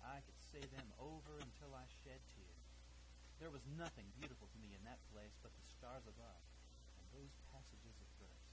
I could say them over until I shed tears; there was nothing beautiful to me in that place but the stars above and those passages of verse.